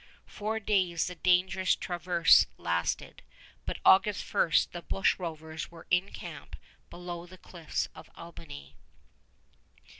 Four days the dangerous traverse lasted, but August 1 the bushrovers were in camp below the cliffs of Albany.